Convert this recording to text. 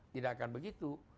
tidak akan begitu